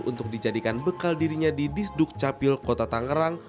untuk dijadikan bekal dirinya di disduk capil kota tangerang